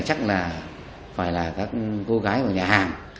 chắc là phải là các cô gái vào nhà hàng